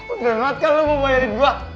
udah enak kan lo mau bayarin gua